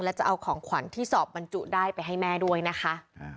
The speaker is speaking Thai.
และจะเอาของขวัญที่สอบบรรจุได้ไปให้แม่ด้วยนะคะ